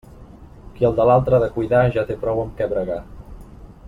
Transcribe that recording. Qui el d'altre ha de cuidar, ja té prou amb què bregar.